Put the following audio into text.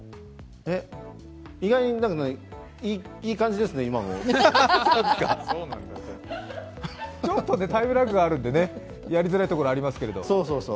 意外にいい感じですね、今もちょっとね、タイムラグがあるんでやりづらいところがありますけど。